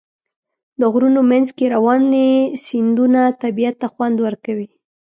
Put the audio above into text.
د غرونو منځ کې روانې سیندونه طبیعت ته خوند ورکوي.